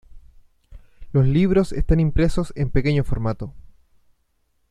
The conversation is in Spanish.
Los libros están impresos en pequeño formato.